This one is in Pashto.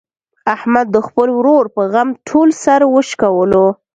احمد د خپل ورور په غم ټول سر و شکولو.